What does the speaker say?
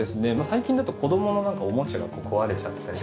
最近だと子供のおもちゃが壊れちゃったり。